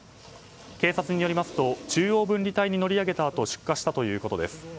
警察によりますと中央分離帯に乗り上げたあと出火したということです。